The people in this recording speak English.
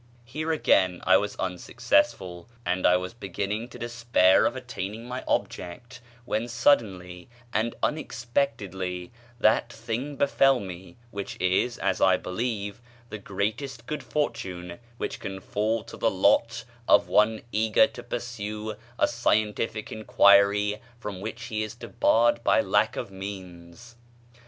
Here again I was unsuccessful; and I was beginning to despair of attaining my object when suddenly and unexpectedly that thing befel me which is, as I believe, the greatest good fortune which can fall to the lot of one eager to pursue a scientific enquiry from which he is debarred by lack of means.